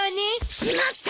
しまった！